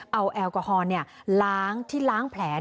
เอาแอลกอฮอลล้างที่ล้างแผล